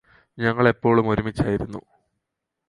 ഞങ്ങളെപ്പോളും ഒരുമിച്ചായിരുന്നു